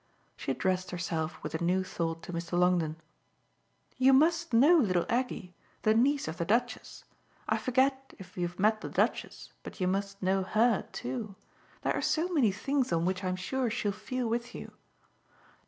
She addressed herself with a new thought to Mr. Longdon. "You must know little Aggie the niece of the Duchess: I forget if you've met the Duchess, but you must know HER too there are so many things on which I'm sure she'll feel with you.